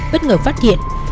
bất ngờ phát hiện